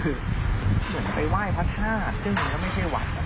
เหมือนไปไหว้พระธาตุมันก็ไม่ใช่หวัด